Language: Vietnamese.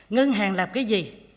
ngân hàng làm cái gì